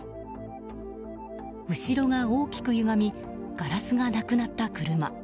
後ろが大きくゆがみガラスがなくなった車。